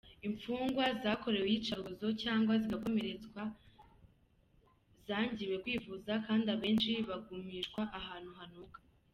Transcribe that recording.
Imfungwa zakorewe iyicarubozo cyangwa zigakomeretswa zangiwe kwivuza, kandi abenshi bagumishwa ahantu hanuka.